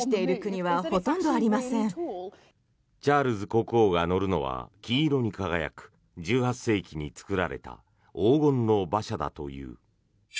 チャールズ国王が乗るのは金色に輝く１８世紀に作られた黄金の馬車だという。